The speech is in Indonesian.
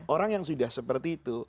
orang yang sudah seperti itu